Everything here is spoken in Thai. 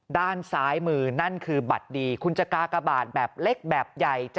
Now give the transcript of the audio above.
ด้านซ้ายมือนั่นคือบัตรดีคุณจะกากบาทแบบเล็กแบบใหญ่